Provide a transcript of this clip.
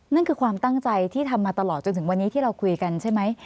นั่นคือความตั้งใจที่ทำมาตลอดจนถึงวันนี้ที่เราคุยกันใช่ไหม